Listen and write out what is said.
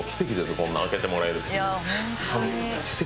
こんな開けてもらえるという。